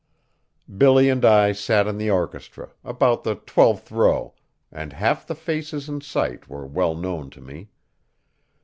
Billy and I sat in the orchestra about the twelfth row and half the faces in sight were well known to me.